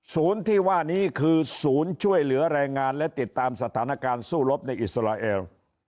ที่ว่านี้คือศูนย์ช่วยเหลือแรงงานและติดตามสถานการณ์สู้รบในอิสราเอล